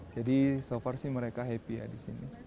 jadi so far sih mereka happy ya di sini